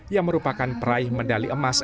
yang merupakan praih medali emang